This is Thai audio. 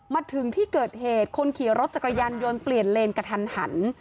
มาถึงที่เกิดเหตุคนขี่รถจักรยานยนต์เปลี่ยนเลนกระทันหัน